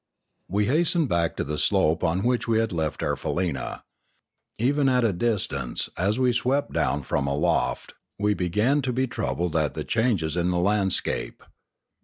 We hastened back to the slope on which we had left our faleena. Even at a distance, as we swept down from aloft, we began to be troubled at the changes in 702 Limanora the landscape.